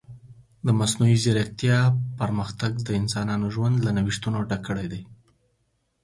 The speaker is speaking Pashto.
د مصنوعي ځیرکتیا پرمختګ د انسانانو ژوند له نوښتونو ډک کړی دی.